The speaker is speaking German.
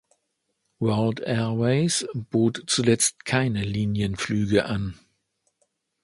World Airways bot zuletzt keine Linienflüge an.